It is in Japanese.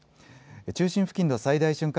中心付近の最大瞬間